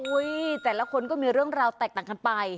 แต่ละคนก็มีเรื่องราวแตกต่างกันไป